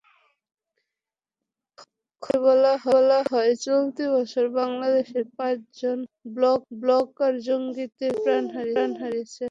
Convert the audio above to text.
খবরে বলা হয়, চলতি বছর বাংলাদেশে পাঁচজন ব্লগার জঙ্গিদের হাতে প্রাণ দিয়েছেন।